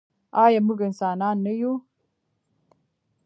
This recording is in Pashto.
آیا موږ انسانان نه یو؟